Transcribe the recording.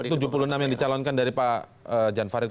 dari tujuh puluh enam yang dicalonkan dari pak jan farid